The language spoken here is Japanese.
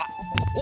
お！